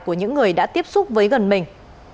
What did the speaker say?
của những người đã tiếp xúc với gần mình